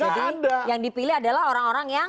jadi yang dipilih adalah orang orang yang